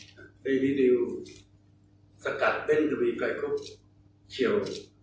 ในวีดีโอสกัดเบ้นที่มีกลายคลุกเชียว